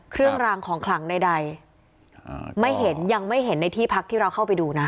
เครื่องรางของขลังใดใดไม่เห็นยังไม่เห็นในที่พักที่เราเข้าไปดูนะ